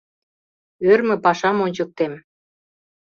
Ӧрмӧ пашам ончыктем...